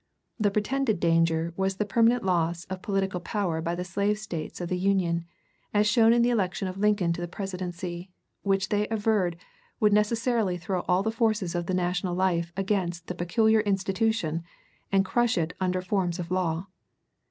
The pretended danger was the permanent loss of political power by the slave States of the Union, as shown in the election of Lincoln to the presidency, which they averred would necessarily throw all the forces of the national life against the "peculiar institution," and crush it under forms of law.